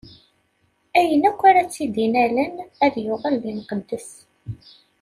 Ayen akk ara tt-innalen ad yuɣal d imqeddes.